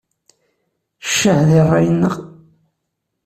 Ccah di ṛṛay-nneɣ!